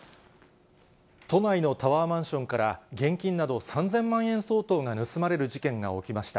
都内のタワーマンションから現金など、３０００万円相当が盗まれる事件が起きました。